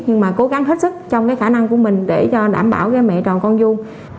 nhưng mà cố gắng hết sức trong cái khả năng của mình để cho đảm bảo cái mẹ tròn con dung